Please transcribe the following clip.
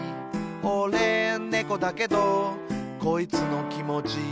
「おれ、ねこだけどこいつのきもち